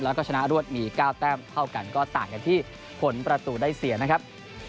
แล้วก็ชนะรวดมี๙แต้มเท่ากันก็ต่างกันที่ผลประตูได้เสียนะครับ